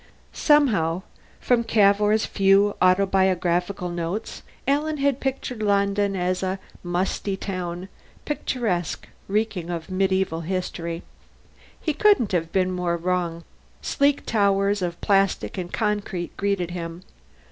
Somehow, from Cavour's few autobiographical notes, Alan had pictured London as a musty old town, picturesque, reeking of medieval history. He couldn't have been more wrong. Sleek towers of plastic and concrete greeted him.